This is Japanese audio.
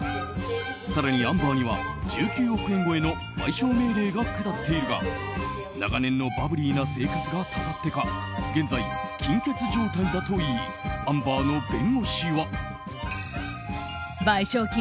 更にアンバーには１９億円超えの賠償命令が下っているが長年のバブリーな生活がたたってか現在、金欠状態だといいアンバーの弁護士は。